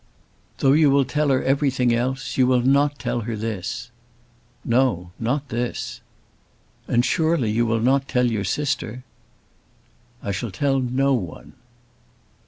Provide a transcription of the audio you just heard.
"Though you will tell her everything else you will not tell her this." "No; not this." "And surely you will not tell your sister!" "I shall tell no one."